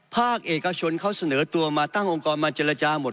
ภาคเอกชนเขาเสนอตัวมาตั้งองค์กรมาเจรจาหมด